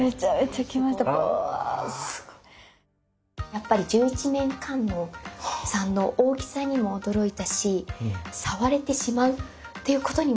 やっぱり十一面観音さんの大きさにも驚いたし触れてしまうっていうことにも驚きました。